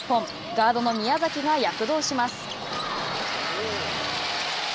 ガードの宮崎が躍動します。